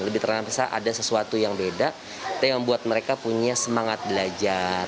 lebih terhampir ada sesuatu yang beda dan yang membuat mereka punya semangat belajar